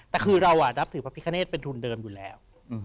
แต่คือเรานับถือพระพิคเนธเป็นทุนเดิมอยู่แล้ว